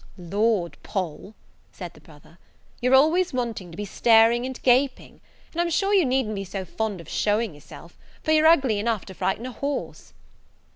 "Lord, Poll," said the brother, "you're always wanting to be staring and gaping; and I'm sure you needn't be so fond of showing yourself, for you're ugly enough to frighten a horse."